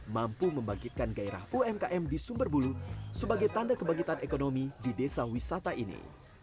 mampu membangkitkan gairah umkm di sumberbulu sebagai tanda kebangkitan ekonomi di desa wisata ini